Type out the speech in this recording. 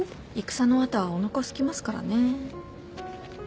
戦の後はおなかすきますからね。